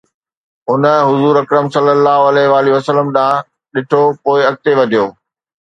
هن حضور ﷺ ڏانهن ڏٺو، پوءِ اڳتي وڌيو